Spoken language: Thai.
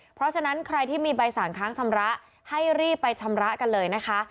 เพราะฉะนั้นใครที่มีใบสั่งค้างชำระให้รีบไปชำระกันเลยนะคะ